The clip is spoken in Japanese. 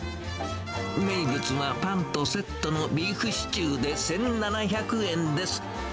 名物はパンとセットのビーフシチューで１７００円です。